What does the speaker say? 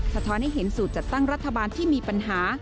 ท้อนให้เห็นสูตรจัดตั้งรัฐบาลที่มีปัญหา